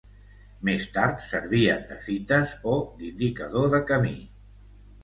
Més tard servien de fites o d'indicador de camí.